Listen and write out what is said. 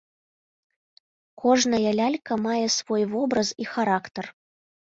Кожная лялька мае свой вобраз і характар.